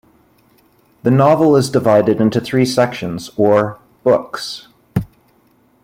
The novel is divided into three sections or 'books'.